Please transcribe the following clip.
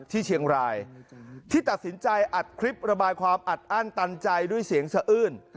ที่เชียงรายที่ตัดสินใจอัดคลิประบายความอัดอั้นตันใจด้วยเสียงสะอื้น